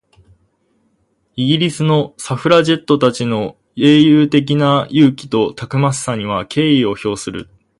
イギリスのサフラジェットたちの英雄的な勇気とたくましさには敬意を表する。